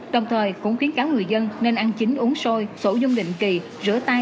đồng thời cũng khiến cả người dân nên ăn chín uống sôi sổ dung định kỳ rửa tay